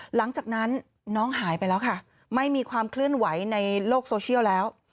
หลังจากนั้นน้องหายไปแล้วค่ะไม่มีความเคลื่อนไหวในโลกโซเชียลแล้ว